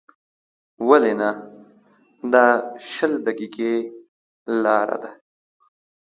ولې نه، دا شل دقیقې لاره ده.